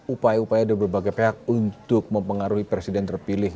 upaya upaya dari berbagai pihak untuk mempengaruhi presiden terpilih